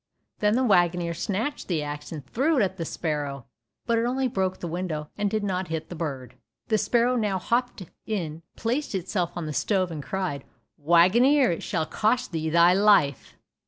Then the waggoner snatched the axe and threw it at the sparrow, but it only broke the window, and did not hit the bird. The sparrow now hopped in, placed itself on the stove and cried, "Waggoner, it shall cost thee thy life."